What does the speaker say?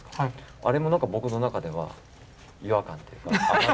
あれも何か僕の中では違和感というか。